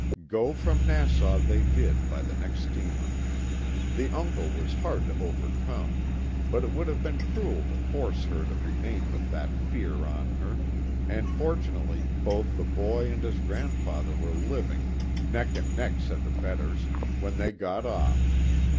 Go from Nassau they did, by the next steamer. The uncle was hard to overcome, but it would have been cruel to force her to remain with that fear on her, and fortunately both the boy and his grandfather were living (" neck and neck," said the betters) when they got off.